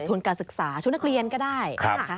ทุนการศึกษาทุนการนักเรียนก็ได้